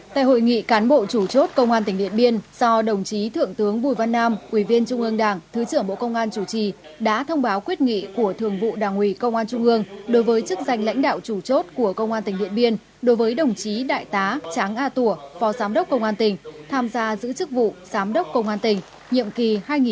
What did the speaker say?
tại hội nghị cán bộ chủ chốt công an tỉnh điện biên do đồng chí thượng tướng bùi văn nam ủy viên trung ương đảng thứ trưởng bộ công an chủ trì đã thông báo quyết nghị của thường vụ đảng ủy công an trung ương đối với chức danh lãnh đạo chủ chốt của công an tỉnh điện biên đối với đồng chí đại tá tráng a tủa phó giám đốc công an tỉnh tham gia giữ chức vụ giám đốc công an tỉnh nhiệm kỳ hai nghìn một mươi năm hai nghìn hai mươi